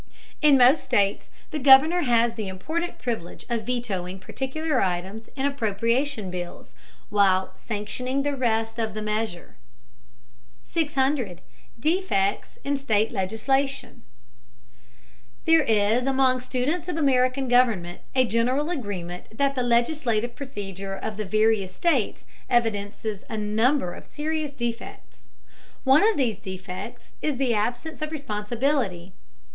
In most states the Governor has the important privilege of vetoing particular items in appropriation bills, while sanctioning the rest of the measure. 600. DEFECTS IN STATE LEGISLATION. [Footnote: For a fuller discussion see Chapter XXXVI.] There is, among students of American government, a general agreement that the legislative procedure of the various states evidences a number of serious defects. One of these defects is the absence of responsibility.